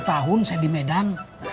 dua puluh tahun saya di medan